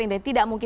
ini tidak mungkin